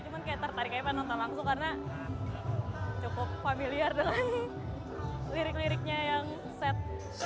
cuman kayak tertarik apa nonton langsung karena cukup familiar dalam lirik liriknya yang set